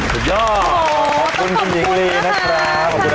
สุดยอดขอบคุณคุณหญิงลีนะคะขอบคุณมากเลยขอบคุณค่ะ